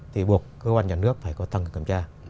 thì buộc cơ quan nhà nước phải có tăng kiểm tra